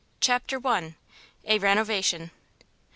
CHAPTER i. A RENOVATION.